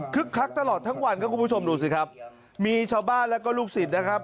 คักตลอดทั้งวันครับคุณผู้ชมดูสิครับมีชาวบ้านแล้วก็ลูกศิษย์นะครับ